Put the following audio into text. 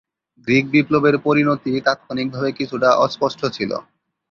Greek বিপ্লবের পরিণতি তাৎক্ষণিকভাবে কিছুটা অস্পষ্ট ছিল।